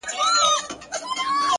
اراده د داخلي ضعف دیوالونه نړوي